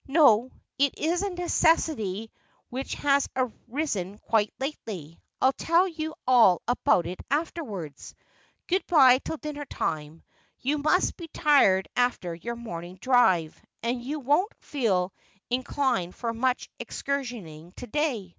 ' No ; it is a necessity which has arisen quite lately. I'll tell you all about it — afterwards. Good bye till dinner time. You must be tired after your morning drive, and you won't feel in clined for much excursionising to day.'